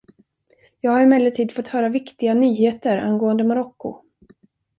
Jag har emellertid fått höra viktiga nyheter angående Marocko.